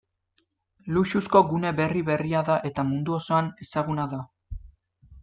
Luxuzko gune berri-berria da eta mundu osoan ezaguna da.